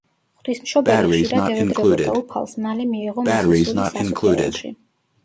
ღვთისმშობელი ხშირად ევედრებოდა უფალს, მალე მიეღო მისი სული სასუფეველში.